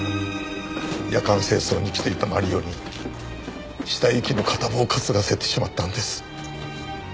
夜間清掃に来ていたマリオに死体遺棄の片棒を担がせてしまったんです。